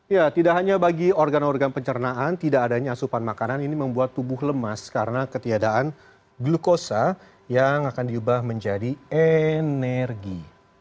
ya tidak hanya bagi organ organ pencernaan tidak adanya asupan makanan ini membuat tubuh lemas karena ketiadaan glukosa yang akan diubah menjadi energi